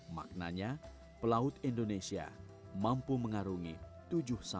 maknanya pelaut indonesia mampu mengarungi tujuh sama